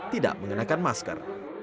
tidak menggunakan masker